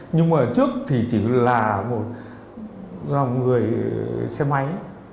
nhưng mà trước thì chỉ là một dòng người xe máy